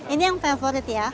ini yang favorit ya